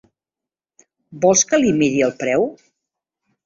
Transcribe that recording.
Vol que li miri el preu?